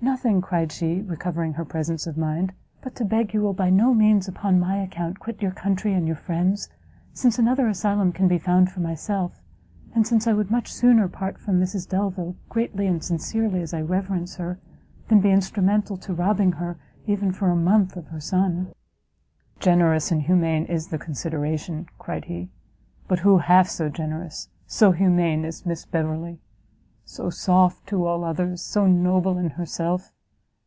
"Nothing," cried she, recovering her presence of mind, "but to beg you will by no means, upon my account, quit your country and your friends, since another asylum can be found for myself, and since I would much sooner part from Mrs Delvile, greatly and sincerely as I reverence her, than be instrumental to robbing her, even for a month, of her son." "Generous and humane is the consideration," cried he; "but who half so generous, so humane as Miss Beverley? so soft to all others, so noble in herself?